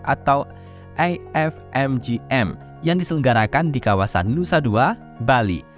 atau afmgm yang diselenggarakan di kawasan nusa dua bali